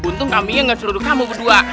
untung kambingnya nggak suruh duk kamu berdua